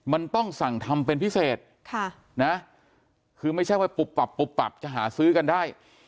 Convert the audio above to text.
มันต้องสั่งทำเป็นพิเศษคือไม่ใช่ว่าปุบปับปุ๊บปับจะหาซื้อกันได้